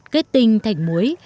kết tinh thành muối